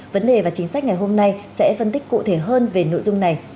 vấn đề và chính sách ngày hôm nay sẽ phân tích cụ thể hơn về nội dung này